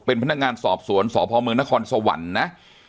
เป็นพนักงานสอบสวนสพเมืองนครสวรรค์นะ